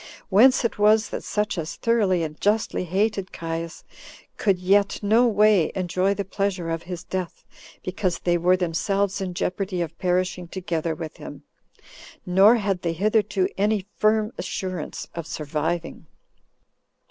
Whence it was that such as thoroughly and justly hated Caius could yet no way enjoy the pleasure of his death, because they were themselves in jeopardy of perishing together with him; nor had they hitherto any firm assurance of surviving.